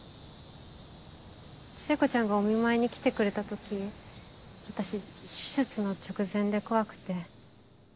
聖子ちゃんがお見舞いに来てくれた時私手術の直前で怖くて。